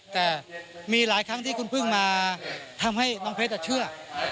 แต่มีหลายครั้งที่คุณเพิ่งมาทำให้น้องเพชรเชื่อ